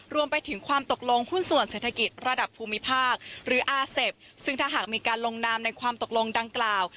รวมไปถึงความตกลงหุ้นส่วนเศรษฐกิจระดับภูมิภาคหรืออาเซฟซึ่งถ้าหากมีการลงนามในความตกลงดังกล่าว